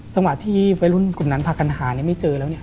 จังหวะที่วัยรุ่นกลุ่มนั้นพากันหาไม่เจอแล้วเนี่ย